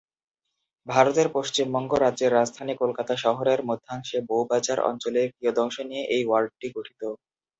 ভারতের পশ্চিমবঙ্গ রাজ্যের রাজধানী কলকাতা শহরের মধ্যাংশে বউবাজার অঞ্চলের কিয়দংশ নিয়ে এই ওয়ার্ডটি গঠিত।